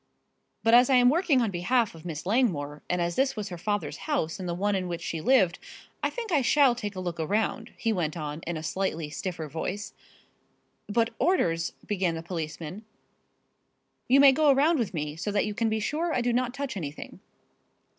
"But as I am working on behalf of Miss Langmore, and as this was her father's house and the one in which she lived, I think I shall take a look around," he went on, in a slightly stiffer voice. "But orders " began the policeman. "You may go around with me, so that you can be sure I do not touch anything."